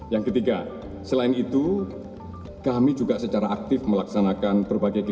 yang ketiga selain itu kami juga secara aktif melaksanakan berbagai kegiatan